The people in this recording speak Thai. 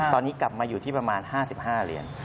ตอนนี้กลับมาอยู่ที่ประมาณ๕๕เหรียญ